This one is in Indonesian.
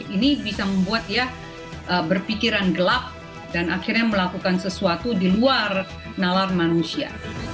ini bisa membuat dia berpikiran gelap dan akhirnya melakukan sesuatu di luar nalar manusia